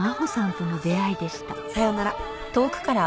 さようなら。